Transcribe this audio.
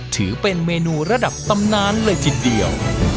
ถือเป็นเมนูระดับตำนานเลยทีเดียว